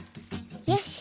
よし。